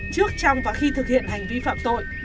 trước trong và khi thực hiện hành vi phạm tội